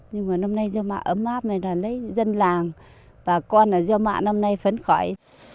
nhưng mà năm nay do mạ ấm áp này là lấy dân làng và con là do mạ năm nay phấn khỏi